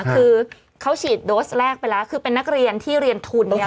คือเขาฉีดโดสแรกไปแล้วคือเป็นนักเรียนที่เรียนทุนเนี่ย